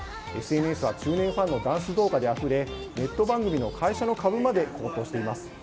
ＳＮＳは中年ファンのダンス動画であふれネット番組の会社の株まで高騰しています。